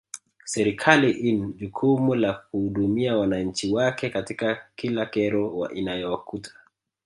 Serikali in jukumu la kuhudumia wananchi wake katika kila kero inayowakuta